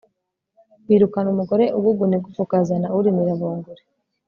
wirukana umugore uguguna igufa ukazana urimira bunguri